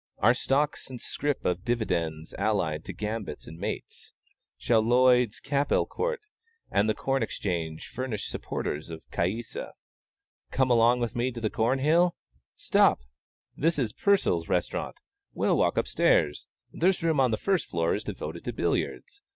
Are stocks and scrip and dividends allied to gambits and mates? Shall Lloyd's Capel Court and the Corn Exchange furnish supporters of Caïssa? Come along with me to Cornhill. Stop! This is Purssell's restaurant. We'll walk up stairs. This room on the first floor is devoted to billiards.